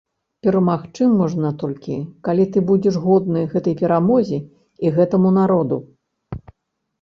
Перамагчы можна толькі, калі ты будзеш годны гэтай перамозе і гэтаму народу.